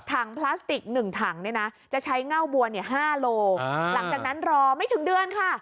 ถังพลาสติก๑ถังจะใช้เง้อบัว๕โลกรัมหลังจากนั้นรอไม่ถึงเดือนค่ะ